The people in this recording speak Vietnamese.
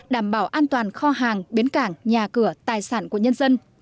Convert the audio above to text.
đảm bảo an toàn kho hàng bến cảng nhà cửa tài sản của nhân dân